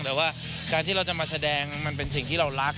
แต่ว่าการที่เราจะมาแสดงมันเป็นสิ่งที่เรารัก